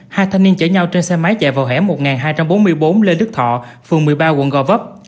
hai thanh niên chở nhau trên xe máy chạy vào hẻm một nghìn hai trăm bốn mươi bốn lê đức thọ phường một mươi ba quận gò vấp